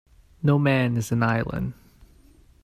No man is an island.